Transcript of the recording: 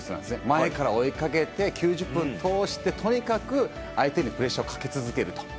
前から追いかけて９０分通して、とにかく相手にプレッシャーをかけ続けると。